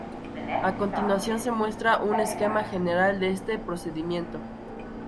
A continuación se muestra un esquema general de este procedimiento.